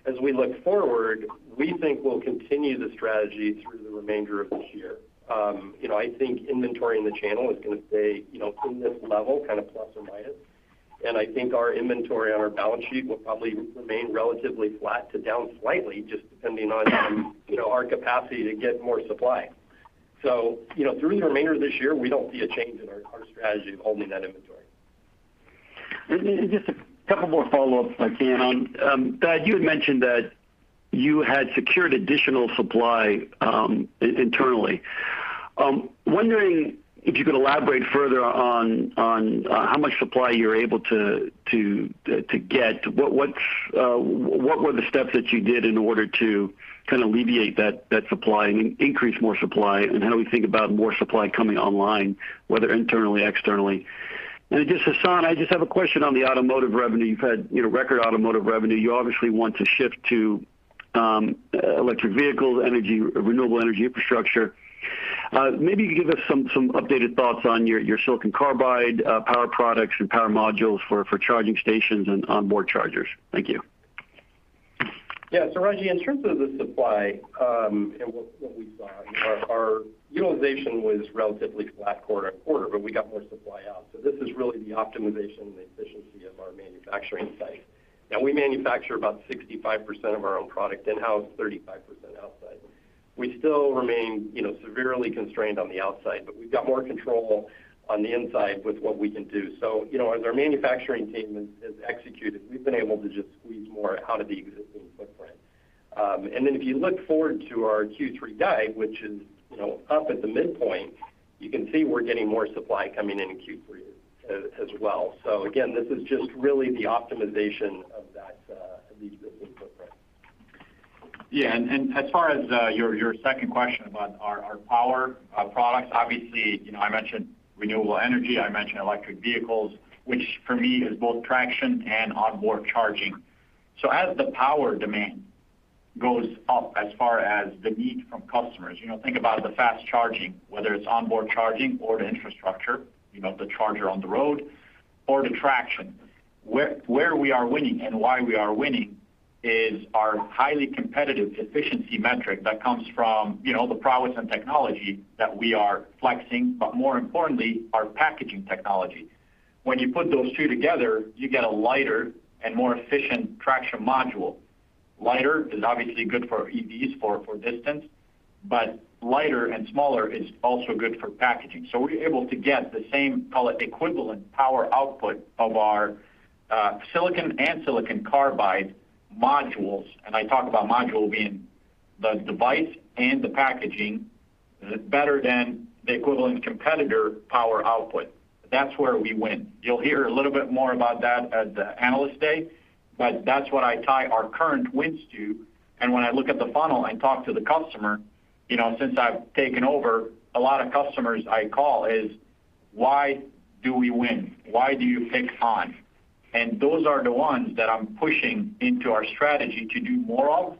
As we look forward, we think we'll continue the strategy through the remainder of this year. I think inventory in the channel is going to stay in this level, kind of plus or minus. I think our inventory on our balance sheet will probably remain relatively flat to down slightly, just depending on our capacity to get more supply. Through the remainder of this year, we don't see a change in our strategy of holding that inventory. Just a couple more follow-ups, if I can. Thad, you had mentioned that you had secured additional supply internally. Wondering if you could elaborate further on how much supply you're able to get. What were the steps that you did in order to kind of alleviate that supply and increase more supply? How do we think about more supply coming online, whether internally, externally? Just Hassane, I just have a question on the automotive revenue. You've had record automotive revenue. You obviously want to shift to electric vehicles, renewable energy infrastructure. Maybe you could give us some updated thoughts on your silicon carbide power products and power modules for charging stations and onboard chargers. Thank you. Yeah. Raji, in terms of the supply, and what we saw, our utilization was relatively flat quarter-over-quarter, but we got more supply out. This is really the optimization and the efficiency of our manufacturing site. Now we manufacture about 65% of our own product in-house, 35% outside. We still remain severely constrained on the outside, but we've got more control on the inside with what we can do. As our manufacturing team has executed, we've been able to just squeeze more out of the existing footprint. If you look forward to our Q3 guidance, which is up at the midpoint, you can see we're getting more supply coming in in Q3 as well. Again, this is just really the optimization of the existing footprint. Yeah, as far as your second question about our power products, obviously, I mentioned renewable energy, I mentioned electric vehicles, which for me is both traction and onboard charging. As the power demand goes up as far as the need from customers, think about the fast charging, whether it's onboard charging or the infrastructure, the charger on the road or the traction. Where we are winning and why we are winning is our highly competitive efficiency metric that comes from the prowess and technology that we are flexing, but more importantly, our packaging technology. When you put those two together, you get a lighter and more efficient traction module. Lighter is obviously good for EVs for distance, lighter and smaller is also good for packaging. We're able to get the same, call it equivalent power output of our silicon and silicon carbide modules, and I talk about module being the device and the packaging, that's better than the equivalent competitor power output. That's where we win. You'll hear a little bit more about that at the Analyst Day, but that's what I tie our current wins to. When I look at the funnel and talk to the customer, since I've taken over, a lot of customers I call is, "Why do we win? Why do you pick ON?" Those are the ones that I'm pushing into our strategy to do more of.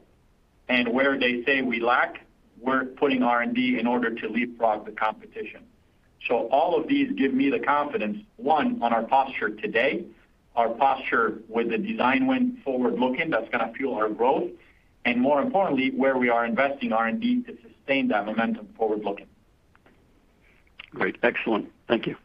Where they say we lack, we're putting R&D in order to leapfrog the competition. All of these give me the confidence, one, on our posture today, our posture with the design win forward-looking, that's going to fuel our growth, and more importantly, where we are investing R&D to sustain that momentum forward-looking. Great. Excellent. Thank you.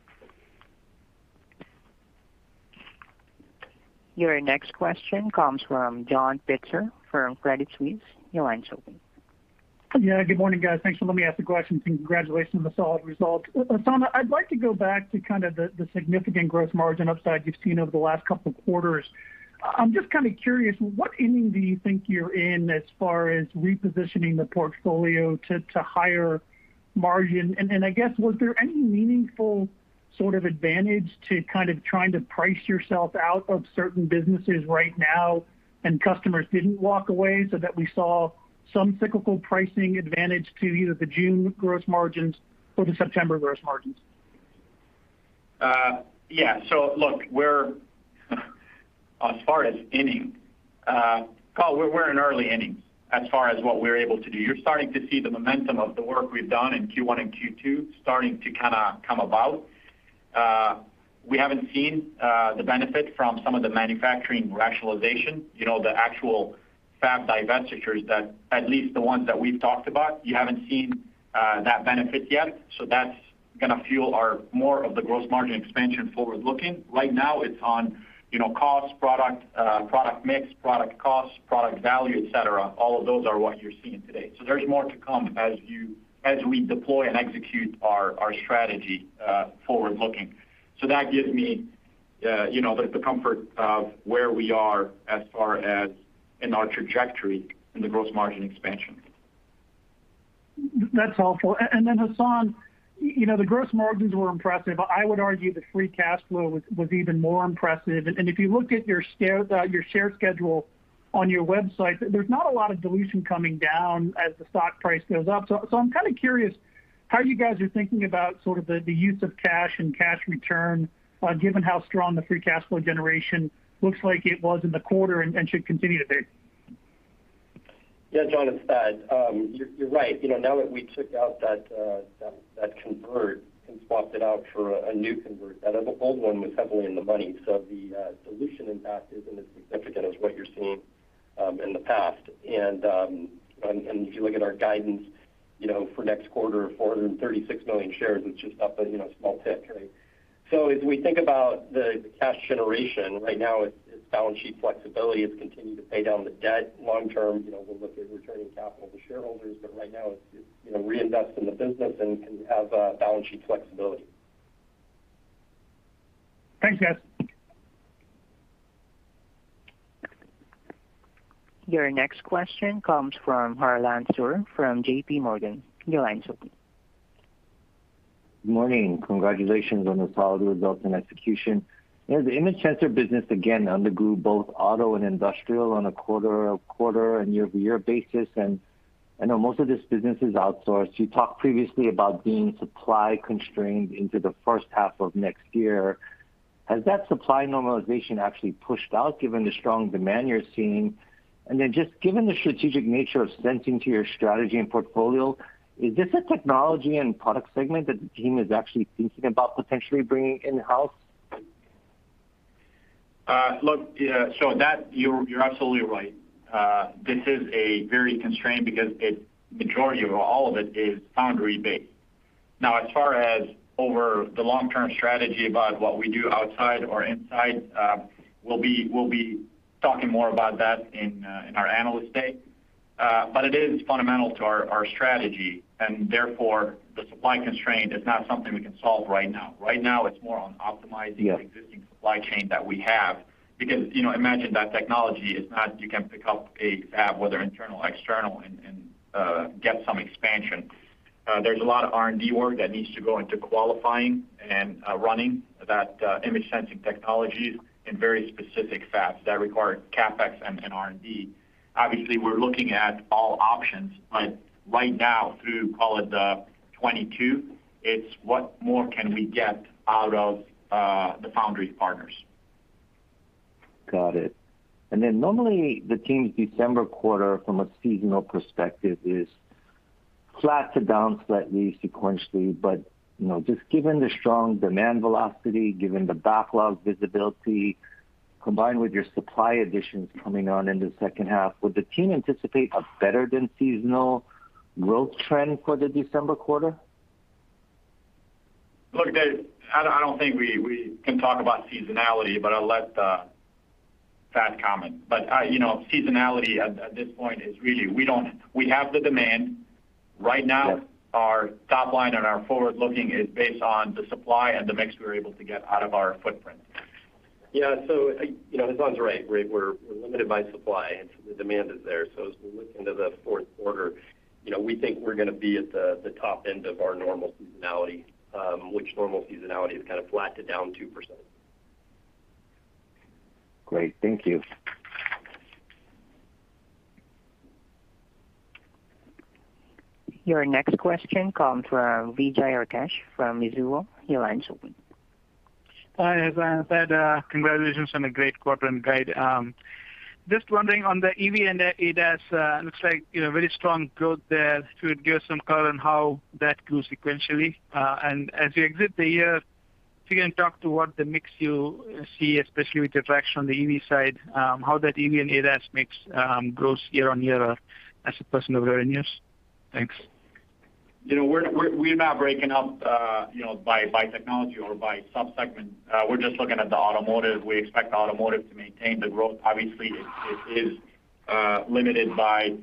Your next question comes from John Pitzer from Credit Suisse. Your line's open. Good morning, guys. Thanks for letting me ask the question, and congratulations on the solid results. Hassane, I'd like to go back to kind of the significant gross margin upside you've seen over the last couple of quarters. I'm just kind of curious, what inning do you think you're in as far as repositioning the portfolio to higher margin? I guess, was there any meaningful sort of advantage to kind of trying to price yourself out of certain businesses right now and customers didn't walk away, so that we saw some cyclical pricing advantage to either the June gross margins or the September gross margins? Yeah. [Look where as far as any call], we're in early innings as far as what we're able to do. You're starting to see the momentum of the work we've done in Q1 and Q2 starting to come about. We haven't seen the benefit from some of the manufacturing rationalization, the actual fab divestitures, at least the ones that we've talked about. You haven't seen that benefit yet. That's going to fuel more of the gross margin expansion forward-looking. Right now it's on cost product mix, product cost, product value, et cetera. All of those are what you're seeing today. There's more to come as we deploy and execute our strategy forward-looking. That gives me the comfort of where we are as far as in our trajectory in the gross margin expansion. That's helpful. Then Hassane, the gross margins were impressive. I would argue the free cash flow was even more impressive. If you look at your share schedule on your website, there's not a lot of dilution coming down as the stock price goes up. I'm kind of curious how you guys are thinking about sort of the use of cash and cash return, given how strong the free cash flow generation looks like it was in the quarter and should continue to be. Yeah, John is Thad, you're right. Now that we took out that convert and swapped it out for a new convert, the old one was heavily in the money. The dilution impact isn't as significant as what you're seeing in the past. If you look at our guidance for next quarter, 436 million shares, it's just up a small tick, right? As we think about the cash generation, right now it's balance sheet flexibility. It's continue to pay down the debt. Long-term, we'll look at returning capital to shareholders. Right now it's reinvest in the business and have balance sheet flexibility. Thanks, guys. Your next question comes from Harlan Sur from J.P. Morgan. Your line's open. Morning. Congratulations on the solid results and execution. The image sensor business again undergrew both auto and industrial on a quarter-on-quarter and year-over-year basis. I know most of this business is outsourced. You talked previously about being supply constrained into the first half of next year. Has that supply normalization actually pushed out given the strong demand you're seeing? Just given the strategic nature of sensing to your strategy and portfolio, is this a technology and product segment that the team is actually thinking about potentially bringing in-house? Look, you're absolutely right. This is very constrained because the majority of all of it is foundry based. As far as over the long-term strategy about what we do outside or inside, we'll be talking more about that in our Analyst Day. It is fundamental to our strategy, and therefore the supply constraint is not something we can solve right now. Right now it's more on optimizing- Yeah the existing supply chain that we have. Imagine that technology is not you can pick up a fab, whether internal or external, and get some expansion. There's a lot of R&D work that needs to go into qualifying and running that image sensing technologies in very specific fabs that require CapEx and R&D. Obviously, we're looking at all options, but right now through, call it 2022, it's what more can we get out of the foundry partners. Got it. Normally the team's December quarter from a seasonal perspective is flat to down slightly sequentially. Just given the strong demand velocity, given the backlog visibility, combined with your supply additions coming on in the second half, would the team anticipate a better than seasonal growth trend for the December quarter? Look, I don't think we can talk about seasonality, but I'll let Thad comment. Seasonality at this point is really we have the demand. Yeah Our top line and our forward looking is based on the supply and the mix we're able to get out of our footprint. Yeah. Hassane's right. We're limited by supply, and so the demand is there. As we look into the fourth quarter we think we're going to be at the top end of our normal seasonality, which normal seasonality is kind of flat to down 2%. Great. Thank you. Your next question comes from Vijay Rakesh from Mizuho. Your line's open. Hi, Hassane and Thad. Congratulations on a great quarter and guide. Just wondering on the EV and ADAS, looks like very strong growth there. Could you give some color on how that grew sequentially? As you exit the year, if you can talk to what the mix you see, especially with the traction on the EV side, how that EV and ADAS mix grows year-over-year as a percent of revenues? Thanks. We're not breaking out by technology or by sub-segment. We're just looking at the automotive. We expect automotive to maintain the growth. Obviously, it is limited by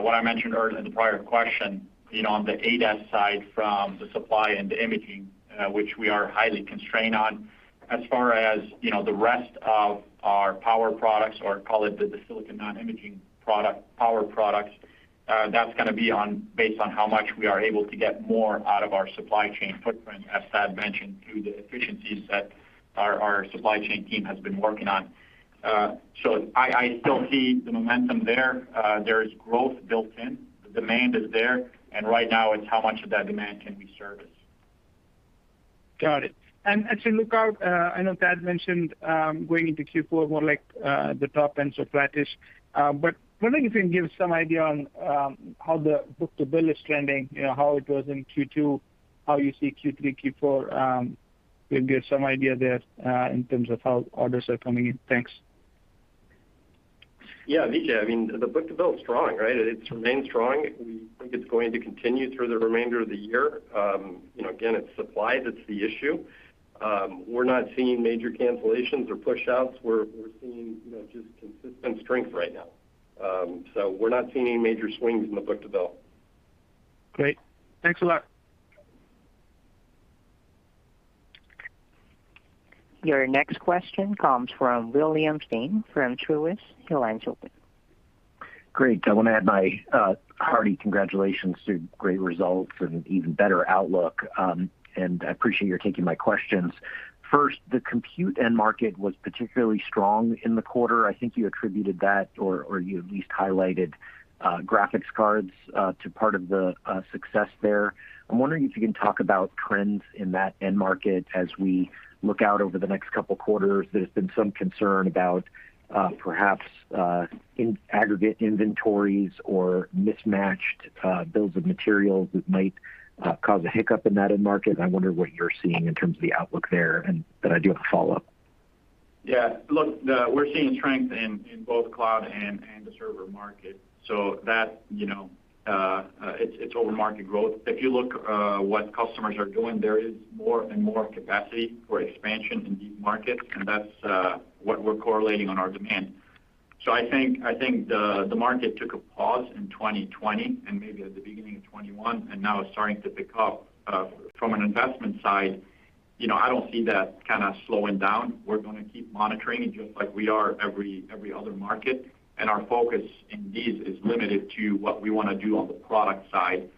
what I mentioned earlier in the prior question, on the ADAS side from the supply and the imaging, which we are highly constrained on. As far as the rest of our power products, or call it the silicon non-imaging power products, that's going to be based on how much we are able to get more out of our supply chain footprint, as Thad mentioned, through the efficiencies. Our supply chain team has been working on. I still see the momentum there. There is growth built in, the demand is there, and right now it's how much of that demand can we service. Got it. And as we look out, I know Thad mentioned going into Q4 more like the top end of guidance, but wondering if you can give some idea on how the book to bill is trending, how it was in Q2, how you see Q3, Q4. Maybe give some idea there, in terms of how orders are coming in. Thanks. Vijay, the book to bill is strong, right? It remains strong. We think it's going to continue through the remainder of the year. Again, it's supply that's the issue. We're not seeing major cancellations or pushouts. We're seeing just consistent strength right now. We're not seeing any major swings in the book to bill. Great. Thanks a lot. Your next question comes from William Stein from Truist. Your line's open. Great. I want to add my hearty congratulations to great results and an even better outlook. I appreciate your taking my questions. First, the compute end market was particularly strong in the quarter. I think you attributed that, or you at least highlighted graphics cards to part of the success there. I'm wondering if you can talk about trends in that end market as we look out over the next couple quarters. There's been some concern about perhaps aggregate inventories or mismatched bills of materials that might cause a hiccup in that end market. I wonder what you're seeing in terms of the outlook there, and then I do have a follow-up. Look, we're seeing strength in both cloud and the server market, so it's over market growth. If you look what customers are doing, there is more and more capacity for expansion in these markets, and that's what we're correlating on our demand. I think the market took a pause in 2020, and maybe at the beginning of 2021, and now it's starting to pick up. From an investment side, I don't see that kind of slowing down. We're going to keep monitoring it just like we are every other market, and our focus in these is limited to what we want to do on the product side.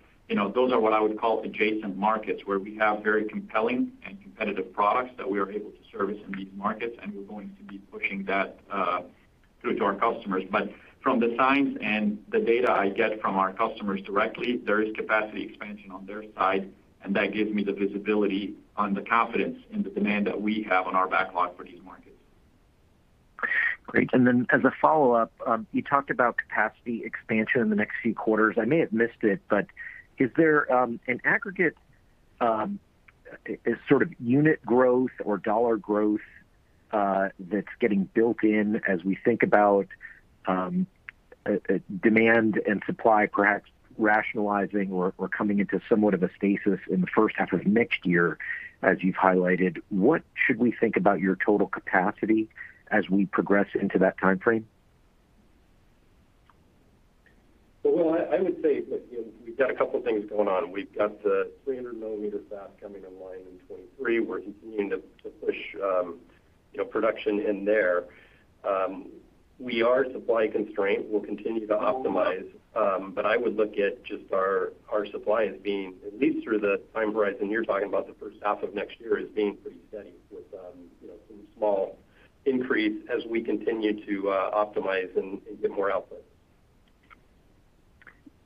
Those are what I would call adjacent markets, where we have very compelling and competitive products that we are able to service in these markets, and we're going to be pushing that through to our customers. From the signs and the data I get from our customers directly, there is capacity expansion on their side, and that gives me the visibility on the confidence in the demand that we have on our backlog for these markets. Great. As a follow-up, you talked about capacity expansion in the next few quarters. I may have missed it, but is there an aggregate unit growth or dollar growth that's getting built in as we think about demand and supply perhaps rationalizing or coming into somewhat of a stasis in the first half of next year, as you've highlighted? What should we think about your total capacity as we progress into that time frame? I would say, look, we've got a couple of things going on. We've got the 300-millimeter fab coming online in 2023. We're continuing to push production in there. We are supply constrained. We'll continue to optimize. I would look at just our supply as being, at least through the time horizon you're talking about, the first half of next year, as being pretty steady with some small increase as we continue to optimize and get more output.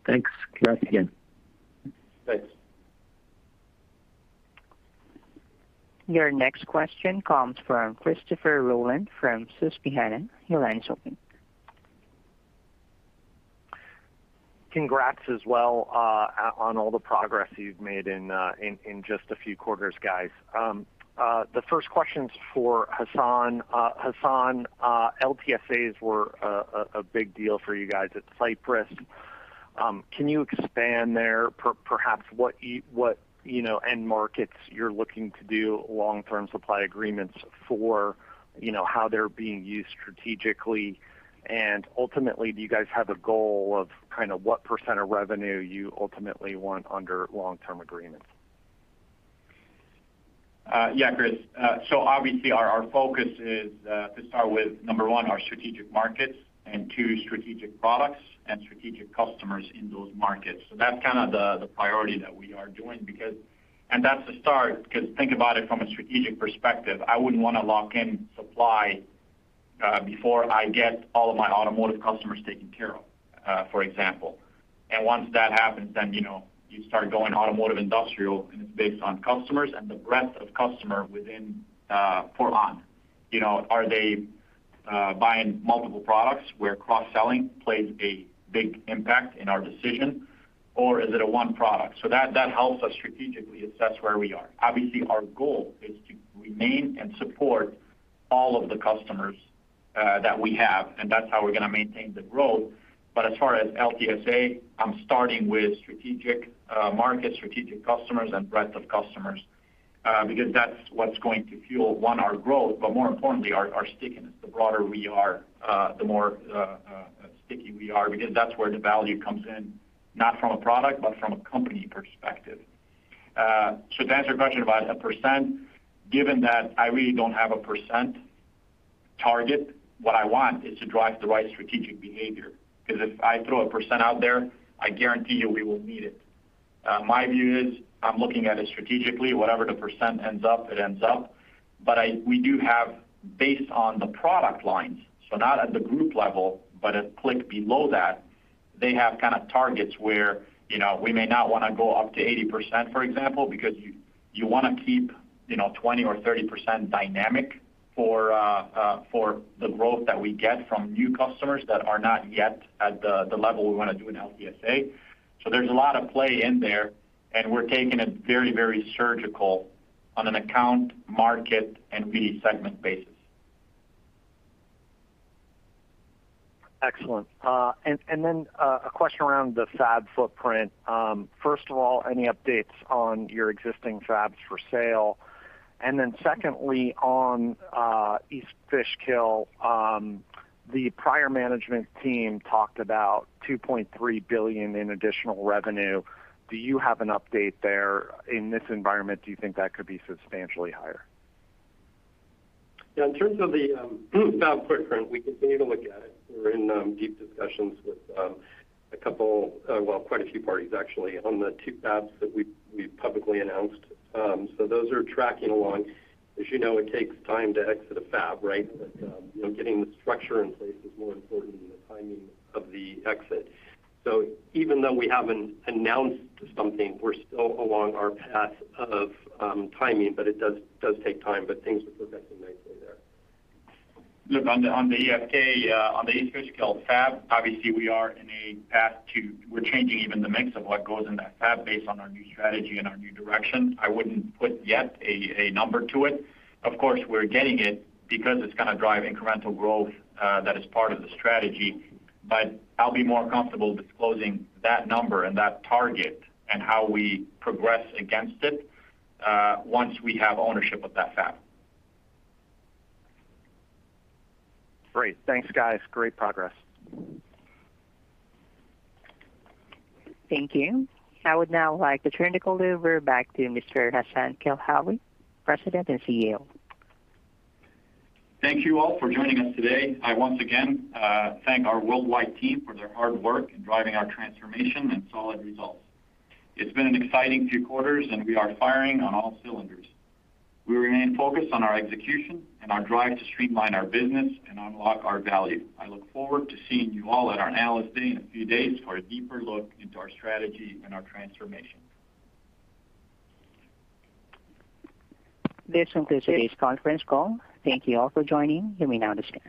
Thanks. Last again. Thanks. Your next question comes from Christopher Rolland from Susquehanna. Your line's open. Congrats as well, on all the progress you've made in just a few quarters, guys. The first question's for Hassane. Hassane, LTSAs were a big deal for you guys at Cypress. Can you expand there perhaps what end markets you're looking to do Long-Term Supply Agreements for, how they're being used strategically? Ultimately, do you guys have a goal of what percent of revenue you ultimately want under Long-Term Supply Agreements? Yeah, Chris. Obviously our focus is to start with, number one, our strategic markets, and two, strategic products and strategic customers in those markets. That's kind of the priority that we are doing. That's a start, because think about it from a strategic perspective. I wouldn't want to lock in supply before I get all of my automotive customers taken care of, for example. Once that happens, you start going automotive, industrial, and it's based on customers and the breadth of customer within portfolio. Are they buying multiple products where cross-selling plays a big impact in our decision, or is it a one product? That helps us strategically assess where we are. Obviously, our goal is to remain and support all of the customers that we have, and that's how we're going to maintain the growth. As far as LTSA, I'm starting with strategic markets, strategic customers, and breadth of customers, because that's what's going to fuel, one, our growth, but more importantly, our stickiness. The broader we are, the more sticky we are, because that's where the value comes in, not from a product, but from a company perspective. To answer your question about a percent, given that I really don't have a percent Target. What I want is to drive the right strategic behavior, because if I throw a percent out there, I guarantee you we will meet it. My view is I'm looking at it strategically. Whatever the percent ends up, it ends up. We do have, based on the product lines, so not at the group level, but a click below that, they have targets where we may not want to go up to 80%, for example, because you want to keep 20% or 30% dynamic for the growth that we get from new customers that are not yet at the level we want to do in LTSA. There's a lot of play in there, and we're taking it very surgical on an account, market, and BU segment basis. Excellent. A question around the fab footprint. First of all, any updates on your existing fabs for sale? Secondly, on East Fishkill, the prior management team talked about $2.3 billion in additional revenue. Do you have an update there? In this environment, do you think that could be substantially higher? Yeah. In terms of the fab footprint, we continue to look at it. We're in deep discussions with quite a few parties, actually, on the two fabs that we've publicly announced. Those are tracking along. As you know, it takes time to exit a fab, right? Getting the structure in place is more important than the timing of the exit. Even though we haven't announced something, we're still along our path of timing, but it does take time, but things are progressing nicely there. Look, on the EFK, on the East Fishkill fab, obviously, we are in a path we're changing even the mix of what goes in that fab based on our new strategy and our new direction. I wouldn't put yet a number to it. Of course, we're getting it because it's going to drive incremental growth that is part of the strategy. I'll be more comfortable disclosing that number and that target and how we progress against it once we have ownership of that fab. Great. Thanks, guys. Great progress. Thank you. I would now like to turn the call over back to Mr. Hassane El-Khoury, President and CEO. Thank you all for joining us today. I once again thank our worldwide team for their hard work in driving our transformation and solid results. It's been an exciting few quarters, and we are firing on all cylinders. We remain focused on our execution and our drive to streamline our business and unlock our value. I look forward to seeing you all at our Analyst Day in a few days for a deeper look into our strategy and our transformation. This concludes today's conference call. Thank you all for joining. You may now disconnect.